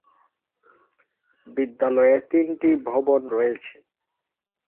বিদ্যালয়ে তিনটি ভবন রয়েছে।